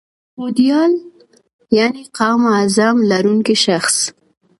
هوډیال یعني قوي عظم لرونکی شخص